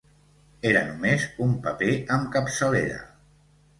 Era només un paper amb capçalera.